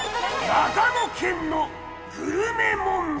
長野県のグルメ問題。